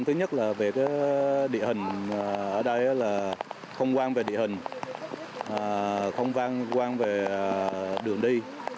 thứ nhất là về địa hình ở đây là không quan về địa hình không quan về đường đi